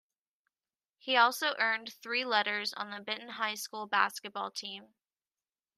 He also earned three letters on the Benton High School basketball team.